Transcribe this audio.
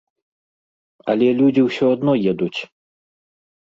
Але людзі ўсё адно едуць.